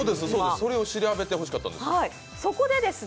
それを調べてほしかったんです。